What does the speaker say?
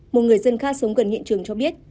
một người dân khác sống gần hiện trường cho biết